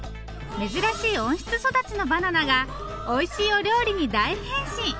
珍しい温室育ちのバナナがおいしいお料理に大変身！